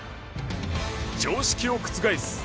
常識を覆す